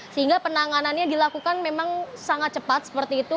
sehingga penanganannya dilakukan memang sangat cepat seperti itu